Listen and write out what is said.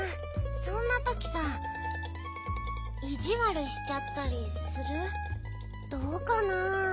そんなときさいじわるしちゃったりする？どうかな。